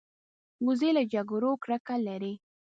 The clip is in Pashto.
وزې له جګړو کرکه لري